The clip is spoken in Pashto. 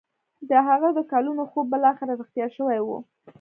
د هغه د کلونو خوب بالاخره رښتيا شوی و.